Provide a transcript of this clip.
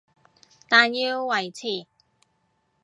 但要維持